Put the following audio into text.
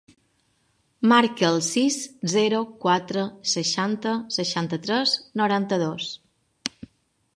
Marca el sis, zero, quatre, seixanta, seixanta-tres, noranta-dos.